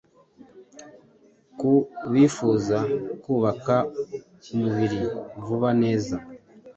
Ku bifuza kubaka umubiri vuba neza